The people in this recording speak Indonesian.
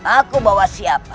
aku bawa siapa